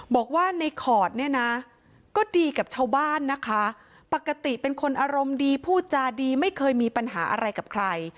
บอกว่าในขอดเนี่ยนะก็ดีกับชาวบ้านนะคะ